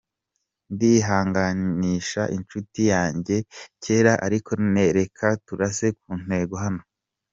Ndihanganisha inshuti yanjye ya kera, ariko reka turase ku ntego hano.